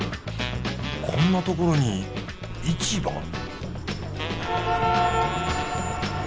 こんなところに市場？